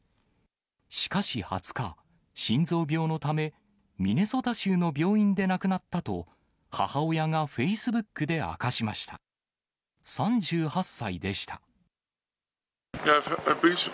しかし２０日、心臓病のため、ミネソタ州の病院で亡くなったと、母親がフェイスブックで明かしました。